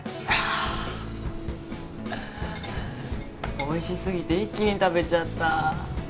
おいしすぎて一気に食べちゃった。